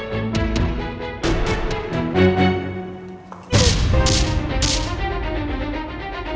terus aku ngelamar kamu ke orang tua kamu